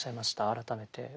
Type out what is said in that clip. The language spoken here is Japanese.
改めて。